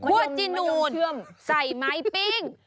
ขวดจินูนใส่ไม้ปิ้ง